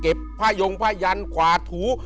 เก็บผ้ายงผ้ายันขวาถู